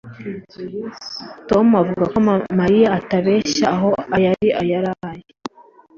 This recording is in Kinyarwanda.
Tom avuga ko Mariya abeshya aho yari yaraye